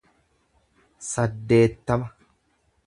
saddeettama